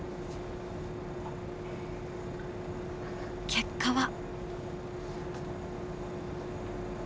結果は？